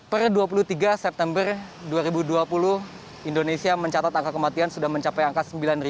per dua puluh tiga september dua ribu dua puluh indonesia mencatat angka kematian sudah mencapai angka sembilan sembilan ratus tujuh puluh tujuh